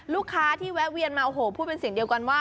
ลูกค้าที่แวะเวียนมาโอ้โหพูดเป็นเสียงเดียวกันว่า